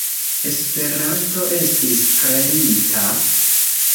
Esperanto estis kreita?